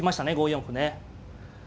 ５四歩ね。